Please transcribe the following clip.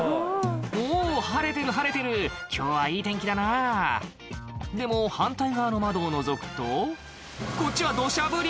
おぉ晴れてる晴れてる今日はいい天気だなぁでも反対側の窓をのぞくとこっちは土砂降り！